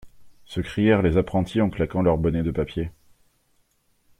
Se crièrent les apprentis en claquant leurs bonnets de papier.